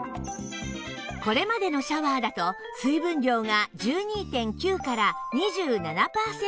これまでのシャワーだと水分量が １２．９ から２７パーセントに